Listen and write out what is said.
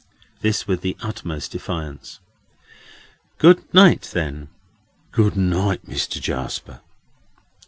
This with the utmost defiance. "Good night, then." "Good night, Mister Jarsper."